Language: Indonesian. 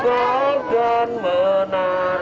aku ingin tergol dan menari